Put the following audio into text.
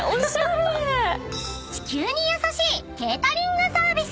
［地球に優しいケータリングサービス